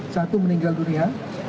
satu meninggal dunia